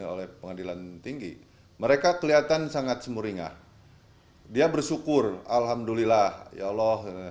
oleh pengadilan tinggi mereka kelihatan sangat semuringah dia bersyukur alhamdulillah ya allah